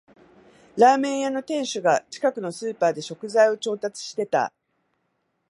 ラーメン屋の店主が近くのスーパーで食材を調達してた